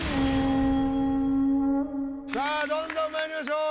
さあどんどんまいりましょう。